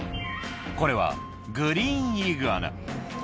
これは、グリーンイグアナ。